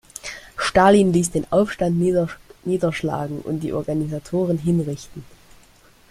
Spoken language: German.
Stalin ließ den Aufstand niederschlagen und die Organisatoren hinrichten.